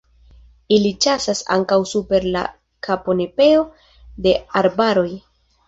Ili ĉasas ankaŭ super la kanopeo de arbaroj.